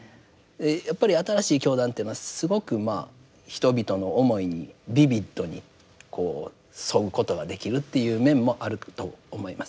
やっぱり新しい教団というのはすごくまあ人々の思いにビビッドにこう沿うことができるっていう面もあると思います。